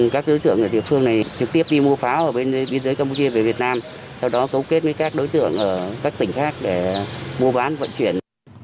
các đối tượng ở địa phương này trực tiếp đi mua pháo ở bên biên giới campuchia về việt nam sau đó cấu kết với các đối tượng ở các tỉnh khác để mua bán vận chuyển